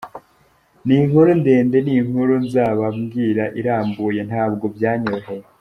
Ni inkuru ndende, ni inkuru nzababwira irambuye, ntabwo byanyoroheye.